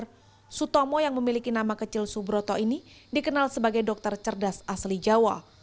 dr sutomo yang memiliki nama kecil subroto ini dikenal sebagai dokter cerdas asli jawa